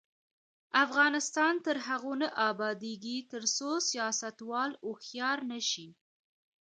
افغانستان تر هغو نه ابادیږي، ترڅو سیاستوال هوښیار نشي.